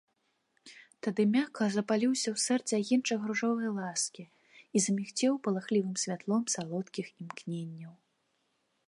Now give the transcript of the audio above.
Тады мякка запаліўся ў сэрцы агеньчык ружовай ласкі і замігцеў палахлівым святлом салодкіх імкненняў.